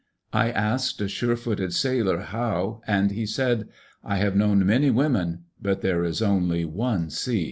• I asked a sure footed sailor how and he said: I have known many women but there is only one sea.